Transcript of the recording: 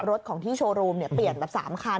รถของที่โชว์รูมเปลี่ยนแบบ๓คัน